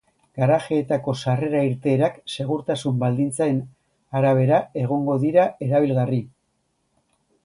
Garajeetako sarrera-irteerak segurtasun baldintzen arabera egongo dira erabilgarri.